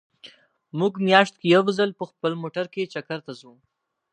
مونږ مياشت کې يو ځل په خپل موټر کې چکر ته ځو